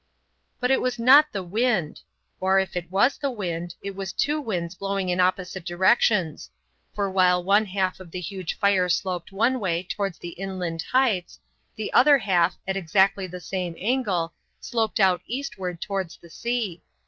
But it was not the wind; or, if it was the wind, it was two winds blowing in opposite directions. For while one half of the huge fire sloped one way towards the inland heights, the other half, at exactly the same angle, sloped out eastward towards the sea.